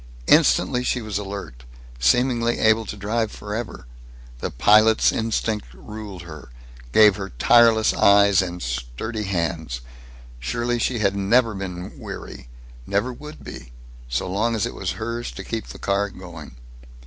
Instantly she was alert, seemingly able to drive forever. The pilot's instinct ruled her; gave her tireless eyes and sturdy hands. Surely she had never been weary; never would be, so long as it was hers to keep the car going.